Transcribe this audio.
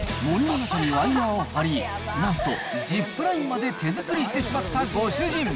森の中にワイヤーを張り、なんとジップラインまで手作りしてしまったご主人。